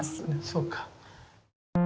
そうか。